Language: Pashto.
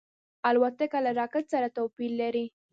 الوتکه له راکټ سره توپیر لري.